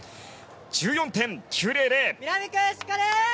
１４点９００！